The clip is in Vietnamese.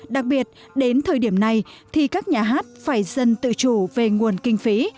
đặc biệt đến thời điểm này thì các nhà hát phải dân tự chủ về nguồn kinh phí